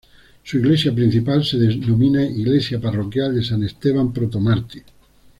Su iglesia principal se denomina iglesia parroquial de San Esteban protomártir.